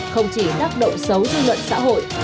không chỉ tác động xấu dư luận xã hội